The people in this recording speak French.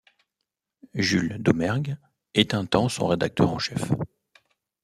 Jules Domergue est un temps son rédacteur en chef.